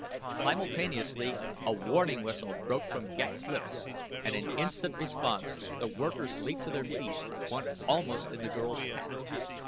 Simultaneously a warning whistle broke from Ghek's lips and in instant response the workers leaped to their feet, one almost in the girl's path.